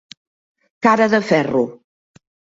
Cara de ferro.